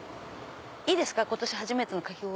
いいですか今年初めてのかき氷。